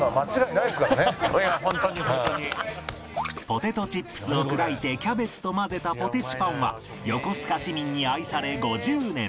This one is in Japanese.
ポテトチップスを砕いてキャベツと混ぜたポテチパンは横須賀市民に愛され５０年